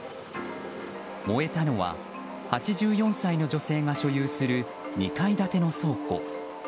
燃えたのは８４歳の女性が所有する２階建ての倉庫。